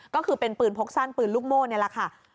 ก็คือเป็นปืนพกสั้นปืนลูกโม่นี่แหละค่ะ